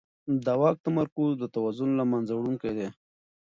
د واک تمرکز د توازن له منځه وړونکی دی